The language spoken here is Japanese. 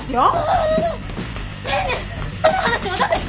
はい。